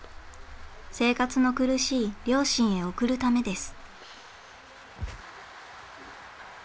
生活の苦しい両親へ送るためです。